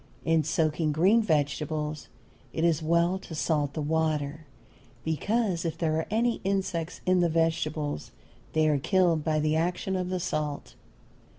In soaking green vegetables it is well to salt the water, because if there are any insects in the vegetables they are killed by the action of the salt.